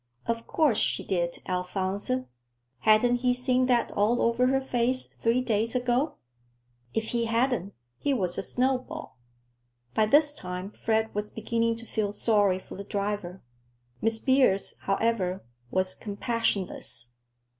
Of course she did, Alphonse. Hadn't he seen that all over her face three days ago? If he hadn't, he was a snowball. By this time Fred was beginning to feel sorry for the driver. Miss Beers, however, was compassionless.